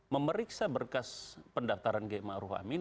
memeriksa berkas pendaftaran yaimma aruf amin